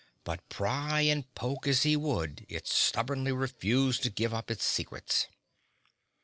But pry and poke as he would it stubbornly refused to give up its secrets.